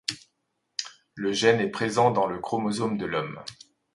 Le gène est présent dans le chromosome de l'homme.